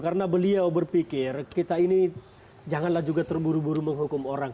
karena beliau berpikir kita ini janganlah juga terburu buru menghukum orang